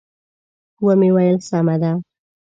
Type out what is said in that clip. و مې ویل: سمه ده.